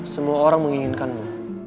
semua orang menginginkanmu